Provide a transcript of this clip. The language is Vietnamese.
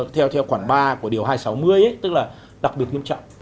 theo theo khoản ba của điều hai trăm sáu mươi tức là đặc biệt nghiêm trọng